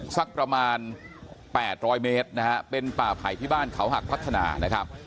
สักประมาณ๘๐๐เมตรนะฮะเป็นป่าไผ่ที่บ้านเขาหักพัฒนานะครับ